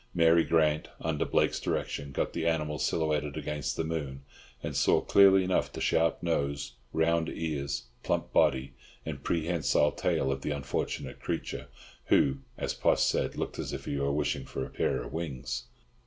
Mary Grant, under Blake's directions, got the animal silhouetted against the moon, and saw clearly enough the sharp nose, round ears, plump body, and prehensile tail of the unfortunate creature who, as Poss said, looked as if he were wishing for a pair of wings.